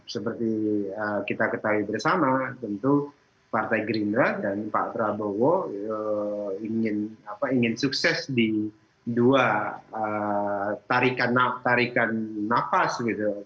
seperti kita ketahui bersama tentu partai gerindra dan pak prabowo ingin sukses di dua tarikan nafas